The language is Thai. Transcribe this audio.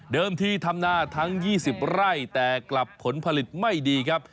ที่ทำนาทั้ง๒๐ไร่แต่กลับผลผลิตไม่ดีครับ